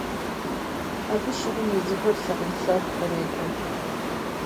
Абы щыгъуэм езыхэр лъагъунлъагъу кърекӀуэ.